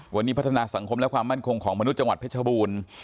วันนี้พัฒนาสังคมและความมั่นคงของมนุษย์จังหวัดเพชรบูรณ์